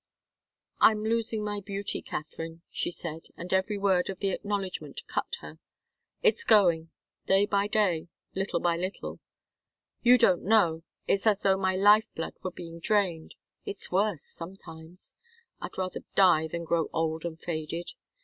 "I'm losing my beauty, Katharine," she said, and every word of the acknowledgment cut her. "It's going, day by day, little by little. You don't know it's as though my life blood were being drained it's worse sometimes. I'd rather die than grow old and faded.